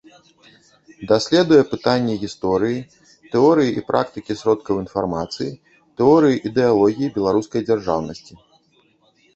Даследуе пытанні гісторыі, тэорыі і практыкі сродкаў інфармацыі, тэорыі ідэалогіі беларускай дзяржаўнасці.